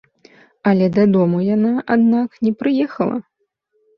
Але дадому яна, аднак, не прыехала.